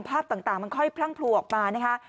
ภาพต่างมันค่อยพรั่งพลัวออกมานะคะ